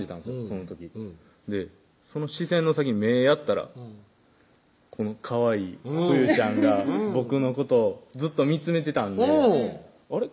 その時その視線の先に目やったらこのかわいいふゆちゃんが僕のことをずっと見つめてたんであれ？